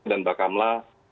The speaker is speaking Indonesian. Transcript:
dan pak kamla